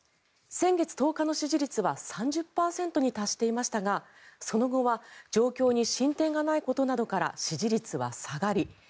先月１０日の支持率は３０％に達していましたがその後は状況に進展がないことなどから支持率は下がり